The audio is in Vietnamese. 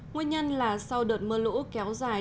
nguyên nhân là sau đợt mưa lũ kéo dài